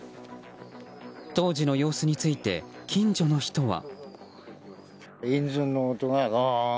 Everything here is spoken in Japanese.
当時の様子について近所の人は。